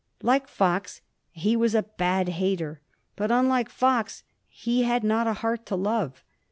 Like Fox, he was a bad hater, but, unlike Fox, he had not a heart to love.